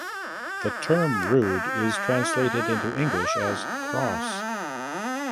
The term "rood" is translated into English as "cross".